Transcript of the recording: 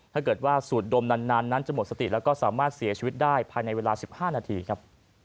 ถ้าเกิดว่าสูดดมนานนั้นจะหมดสติแล้วก็สามารถเสียชีวิตได้ภายในเวลา๑๕นาทีครับ